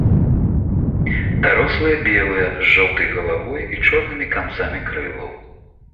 Дарослыя белыя, з жоўтай галавой і чорнымі канцамі крылаў.